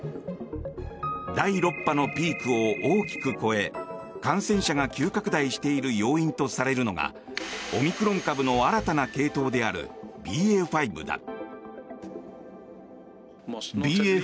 第６波のピークを大きく超え感染者が急拡大している要因とされているのがオミクロン株の新たな系統であるＢＡ．５だ。